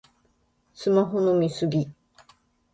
スマホの見過ぎ